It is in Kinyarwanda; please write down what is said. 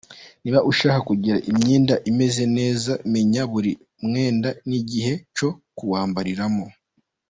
Niba ushaka kugira imyenda imeze neza, menya buri mwenda n’igihe cyo kuwambaramo.